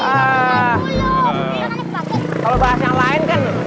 kalau bahasa yang lain kan